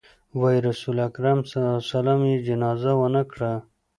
وايي رسول اکرم ص يې جنازه ونه کړه.